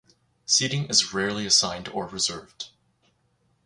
Seating is rarely assigned or reserved.